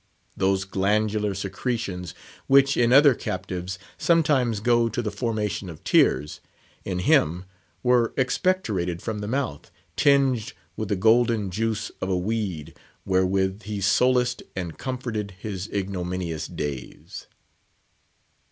Those glandular secretions, which in other captives sometimes go to the formation of tears, in him were expectorated from the mouth, tinged with the golden juice of a weed, wherewith he solaced and comforted his ignominious days.